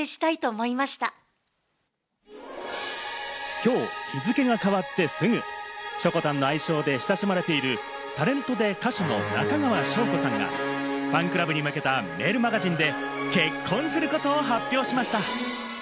今日、日付が変わってすぐ、しょこたんの愛称で親しまれているタレントで歌手の中川翔子さんがファンクラブに向けたメールマガジンで、結婚することを発表しました。